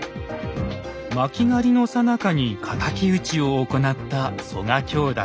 巻狩のさなかに敵討ちを行った曽我兄弟。